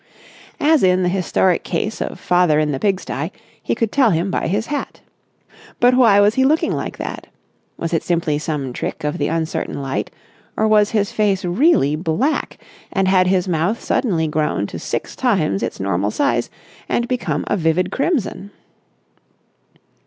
As in the historic case of father in the pigstye, he could tell him by his hat. But why was he looking like that? Was it simply some trick of the uncertain light, or was his face really black and had his mouth suddenly grown to six times its normal size and become a vivid crimson?